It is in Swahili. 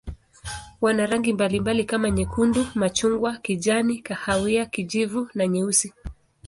Wana rangi mbalimbali kama nyekundu, machungwa, kijani, kahawia, kijivu na nyeusi.